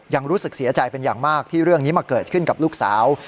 รู้สึกเสียใจเป็นอย่างมากที่เรื่องนี้มาเกิดขึ้นกับลูกสาว